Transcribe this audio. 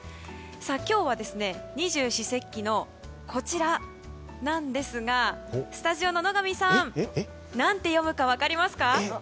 今日は二十四節気のこちらなんですがスタジオの野上さん何て読むか知っていますか？